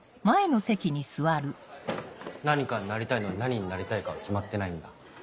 何かになりたいのに何になりたいかは決まってないんだ。